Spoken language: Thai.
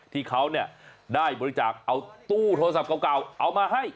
ที่เขาได้บริจาคเอาตู้โทรศัพท์เก่าเอามาให้